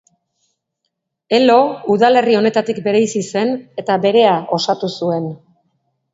Elo udalerri honetatik bereizi zen eta berea osatu zuen.